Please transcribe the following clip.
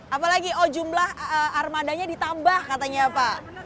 apalagi oh jumlah armadanya ditambah katanya pak